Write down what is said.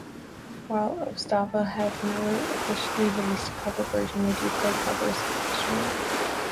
While Ostava have never officially released a cover version, they do play covers occasionally.